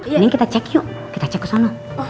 ini kita cek yuk kita cek kesana